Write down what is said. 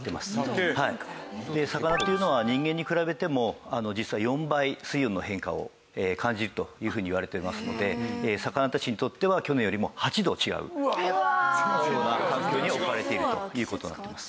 魚っていうのは人間に比べても実は４倍水温の変化を感じるというふうにいわれてますので魚たちにとっては去年よりも８度違うような環境に置かれているという事になってます。